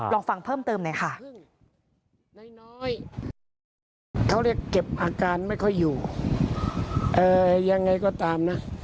ลองฟังเพิ่มเติมหน่อยค่ะ